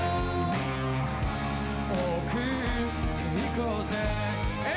「送っていこうぜ」